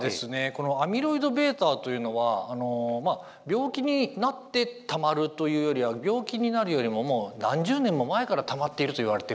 このアミロイドβというのはまあ病気になってたまるというよりは病気になるよりももう何十年も前からたまっているといわれてるんですね。